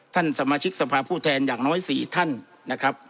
ท่านสมาชิกสภาพผู้แทนอย่างน้อย๔ท่านนะครับ